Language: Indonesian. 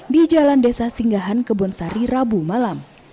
di jalan desa singgahan kebun sari rabu malam